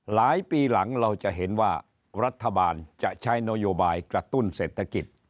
หลายปีหลังเราจะเห็นว่ารัฐบาลจะใช้นโยบายกระตุ้นเศรษฐกิจ